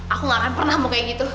aku gak akan pernah mau kayak gitu